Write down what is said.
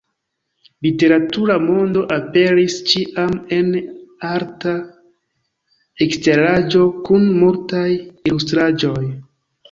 Literatura Mondo aperis ĉiam en arta eksteraĵo kun multaj ilustraĵoj.